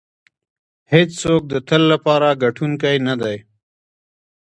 هېڅوک د تل لپاره ګټونکی نه دی.